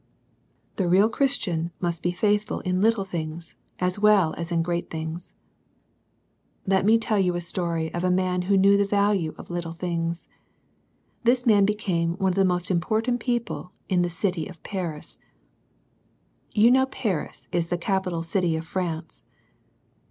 The real Christian must be faithful in little things as well as in great things. Let me tell you a story of a man who knew the value of little things. This man became one of the most important people in the city of Paris. You know Paris is the capital city of France.